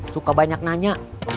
suka banyak nanya